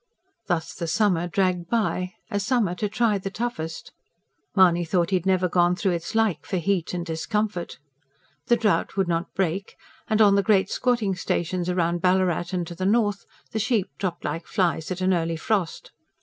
Thus the summer dragged by; a summer to try the toughest. Mahony thought he had never gone through its like for heat and discomfort. The drought would not break, and on the great squatting stations round Ballarat and to the north, the sheep dropped like flies at an early frost.